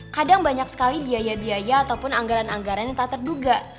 kadang banyak sekali biaya biaya ataupun anggaran anggaran yang tak terduga